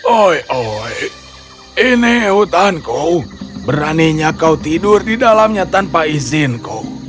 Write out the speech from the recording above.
oi oi ini hutanku beraninya kau tidur di dalamnya tanpa izinku